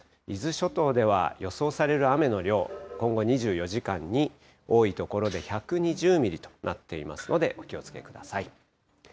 伊豆諸島では予想される雨の量、今後２４時間に多い所で１２０ミリとなっていますので、お気をつけください。